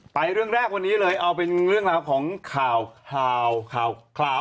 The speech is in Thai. เรื่องแรกวันนี้เลยเอาเป็นเรื่องราวของข่าวข่าว